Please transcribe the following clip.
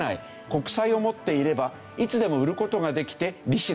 国債を持っていればいつでも売る事ができて利子が増える。